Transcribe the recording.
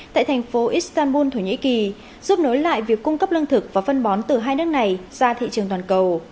tại thành phố istanbul thổ nhĩ kỳ giúp nối lại việc cung cấp lương thực và phân bón từ hai nước này ra thị trường toàn cầu